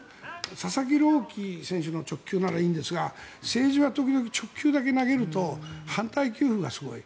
佐々木朗希選手の直球ならいいんですが政治は時々、直球だけ投げると反対意見がすごい。